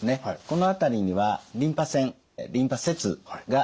この辺りにはリンパ腺リンパ節があります。